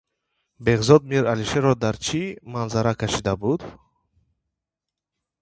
Беҳзод Мир Алишерро дар чӣ манзара кашида буд?